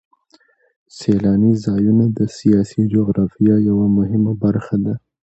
سیلاني ځایونه د سیاسي جغرافیه یوه مهمه برخه ده.